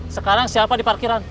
sekarang siapa di parkiran